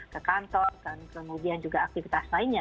ke kantor dan kemudian juga aktivitas lainnya